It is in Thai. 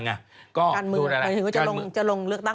การมือหมายถึงว่าจะลงเลือกตั้ง